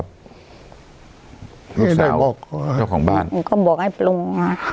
บอกให้ปรง